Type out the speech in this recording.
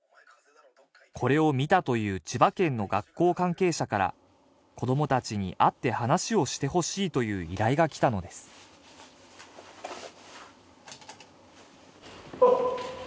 これを見たという千葉県の学校関係者から子供達に会って話をしてほしいという依頼がきたのですあっ